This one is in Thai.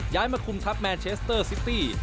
มาคุมทัพแมนเชสเตอร์ซิตี้